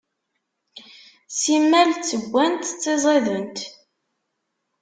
Simmal ttewwant, ttiẓident.